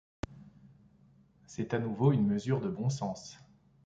C’est à nouveau une mesure de bon sens.